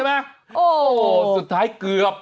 โหสุดท้ายเกือบ